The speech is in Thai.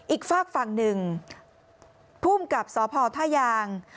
อีกฝากฝั่งหนึ่งภูมิกับสพท่ายาง